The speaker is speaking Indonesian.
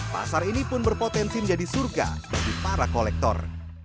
pasar ini pun berpotensi menjadi surga bagi para kolektor